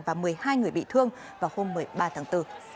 và một mươi hai người bị thương vào hôm một mươi ba tháng bốn